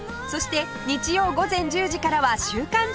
そして日曜午前１０時からは『週刊！